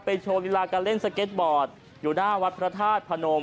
โชว์ลีลาการเล่นสเก็ตบอร์ดอยู่หน้าวัดพระธาตุพนม